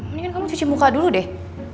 mendingan kamu cuci muka dulu deh